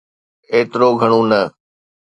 ايترو گھڻو نه.